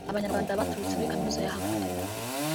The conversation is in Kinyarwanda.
Abanyarwanda baturutse muri Kaminuza ya Harvard